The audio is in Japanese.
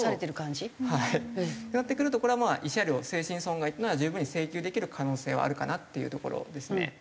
ってなってくるとこれはまあ慰謝料精神損害っていうのは十分に請求できる可能性はあるかなっていうところですね。